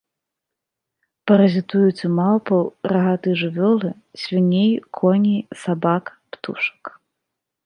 Паразітуюць у малпаў, рагатай жывёлы, свіней, коней, сабак, птушак.